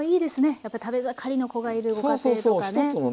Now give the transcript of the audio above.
やっぱり食べ盛りの子がいるご家庭とかね。